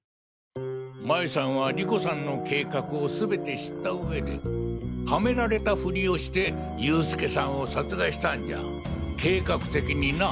麻衣さんは莉子さんの計画を全て知ったうえで嵌められたフリをして佑助さんを殺害したんじゃ計画的にな。